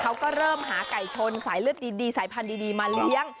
เขาก็เริ่มหาไก่ชนสายเลือดดีสายพันธุ์ดีมาเลี้ยง